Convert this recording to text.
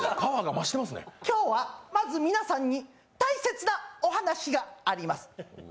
今日はまず皆さんに大切なお話があります。